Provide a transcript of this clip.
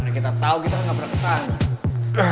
karena kita tau kita gak pernah kesana